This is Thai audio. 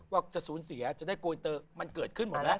ว่าจะสูญเสียจะได้โกยเตอร์มันเกิดขึ้นหมดแล้ว